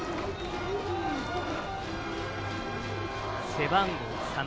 背番号３。